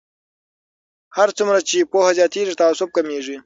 هر څومره چې پوهه زیاتیږي تعصب کمیږي.